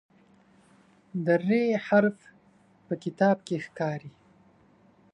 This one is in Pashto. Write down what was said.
د "ر" حرف په کتاب کې ښکاري.